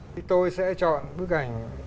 thì tôi sẽ chọn bức ảnh